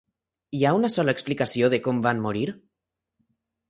Hi ha una sola explicació de com van morir?